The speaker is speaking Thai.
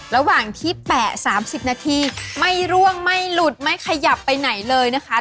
ระหว่างที่แปะ๓๐นาทีไม่ร่วงไม่หลุดไม่ขยับไปไหนเลยนะคะ